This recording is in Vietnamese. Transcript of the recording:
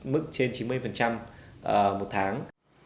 mức trên chín mươi một tháng